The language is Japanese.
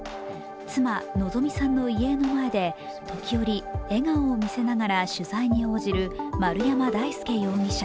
妻・希美さんの遺影の前で時折笑顔を見せながら取材に応じる丸山大輔容疑者。